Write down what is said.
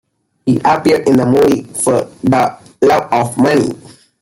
He appeared in the movie "For Da Love of Money".